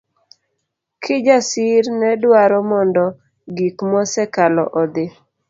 Kijasir nedwaro mondo gik mosekalo odhi.